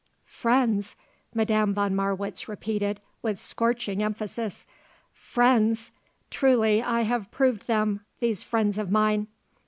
"Friends!" Madame von Marwitz repeated with scorching emphasis. "Friends! Truly I have proved them, these friends of mine.